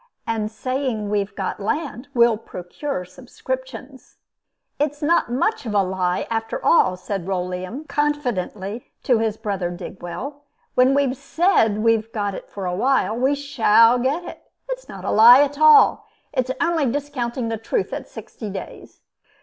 And saying we've got land will procure subscriptions. "It's not much of a lie, after all," said Rolleum, confidentially, to brother Digwell. "When we've said we've got it for awhile, we shall get it. It's not a lie at all. It's only discounting the truth at sixty days!"